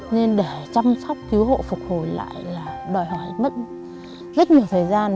nên để chăm sóc cứu hộ phục hồi lại là đòi hỏi mất rất nhiều thời gian